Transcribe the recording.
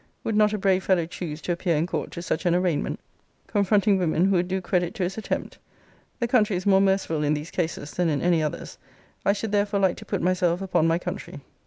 Would not a brave fellow choose to appear in court to such an arraignment, confronting women who would do credit to his attempt? The country is more merciful in these cases, than in any others: I should therefore like to put myself upon my country.